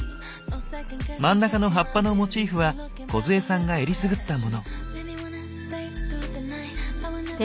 真ん中の葉っぱのモチーフは梢さんがえりすぐったもの。